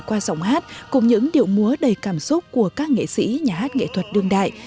qua giọng hát cùng những điệu múa đầy cảm xúc của các nghệ sĩ nhà hát nghệ thuật đương đại